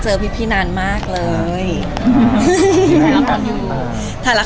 ก็เป็นอีกประสบการณ์หนึ่งสำหรับการชมภาพยนตร์ที่ระบบดีแล้วก็นอนสบายด้วยค่ะ